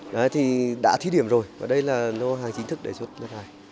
đó thì đã thí điểm rồi và đây là lô hàng chính thức để xuất